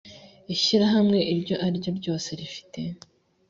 ishyirahamwe iryo ari ryo ryose rifite